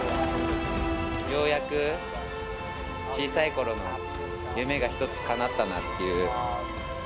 ようやく小さいころの夢が１つかなったなっていう。